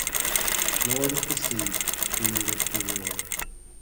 "Lord of the Sea" created a furore.